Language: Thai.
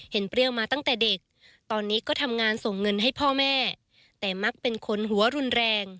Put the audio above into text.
เปรี้ยวมาตั้งแต่เด็กตอนนี้ก็ทำงานส่งเงินให้พ่อแม่แต่มักเป็นคนหัวรุนแรง